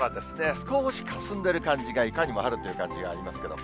少しかすんでる感じが、いかにも春という感じがありますけれども。